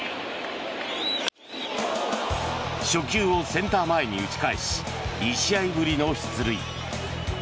初球をセンター前に打ち返し２試合ぶりの出塁。